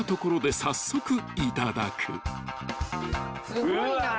すごいな。